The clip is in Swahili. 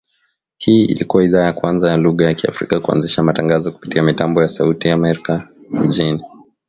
Hii ilikua idhaa ya kwanza ya lugha ya Kiafrika kuanzisha matangazo kupitia mitambo ya Sauti ya Amerika mjini.